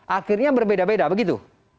akhirnya berbeda beda begitu